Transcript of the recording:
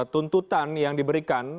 tuntutan yang diberikan